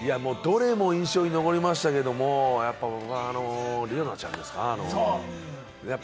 どれも印象に残りましたけれども、理央奈ちゃんですかね。